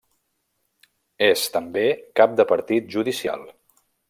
És, també, cap de partit judicial.